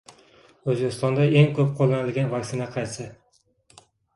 O‘zbekistonda eng ko‘p qo‘llanilgan vaksina qaysi?